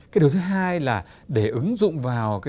điều thứ hai là để ứng dụng vào phương pháp